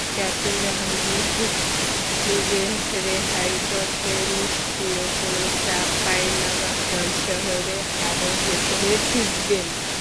Captain Jahangir নিজে রেহাইচরকে নিষ্ক্রিয় করে চাঁপাইনবাবগঞ্জ শহরের আরও ভেতরে ঢুকবেন।